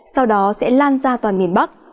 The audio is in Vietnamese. sau đó sẽ lan ra toàn miền bắc